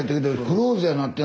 クローズやなって。